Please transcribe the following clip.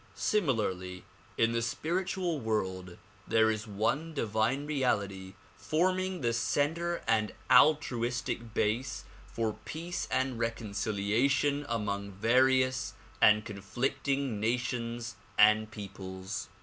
Similarly, in the spiritual world there is one divine reality forming the center and altruistic basis for peace and reconciliation among various and conflicting nations and peoples.